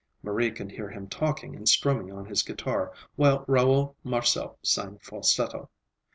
Marie could hear him talking and strumming on his guitar while Raoul Marcel sang falsetto.